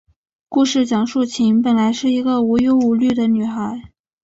故事讲述琴本来是一个无忧无虑的女孩。